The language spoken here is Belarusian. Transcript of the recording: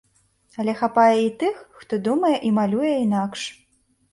Але хапае і тых, хто думае і малюе інакш.